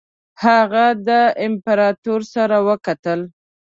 هغه د امپراطور سره وکتل.